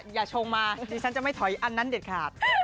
ชงมาดิฉันจะไม่ถอยอันนั้นเด็ดขาด